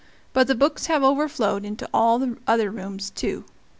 But the books have overflowed into all the other rooms too.